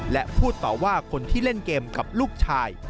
และพูดต่อว่าคนที่เล่นเกมกับลูกชาย